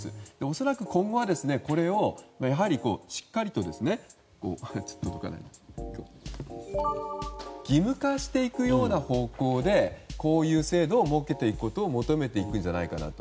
恐らく、今後はこれをしっかりと義務化していくような方向でこういう制度を設けていくことを求めていくんじゃないかと。